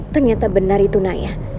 ternyata benar itu naya